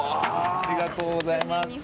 ありがとうございます。